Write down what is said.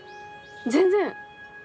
全然！